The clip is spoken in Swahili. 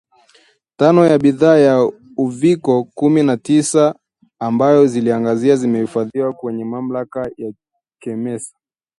tano ya bidhaa za uviko kumi na tisa ambazo zingali zimehifadhiwa kwenye mamlaka ya kemsa